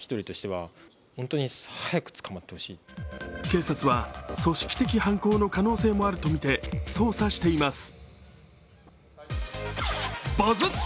警察は組織的犯行の可能性もあるとみて捜査しています。